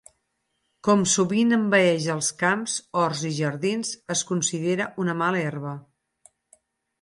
Com sovint envaeix els camps, horts i jardins, es considera una mala herba.